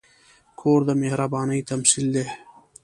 کور د مهربانۍ تمثیل دی.